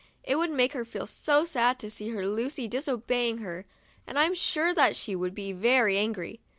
It would make her feel so sad to see her Lucy disobeying her, and I'm sure that she would be very angry.